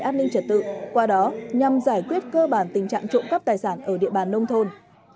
an ninh trật tự qua đó nhằm giải quyết cơ bản tình trạng trộm cắp tài sản ở địa bàn nông thôn